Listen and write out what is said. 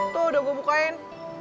tuh udah gue bukain